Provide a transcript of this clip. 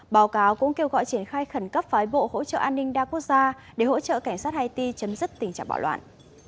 báo cáo cũng kêu gọi triển khai khẩn cấp phái bộ hỗ trợ an ninh đa quốc gia để hỗ trợ cảnh sát haiti chấm dứt tình trạng bạo loạn